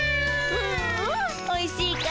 うんうんおいしいかい。